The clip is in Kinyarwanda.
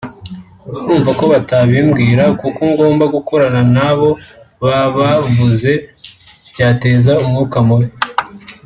urumva ko batabimbwira kuko ngomba gukorana nabo babavuze byateza umwuka mubi